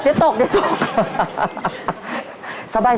เดี๋ยวตก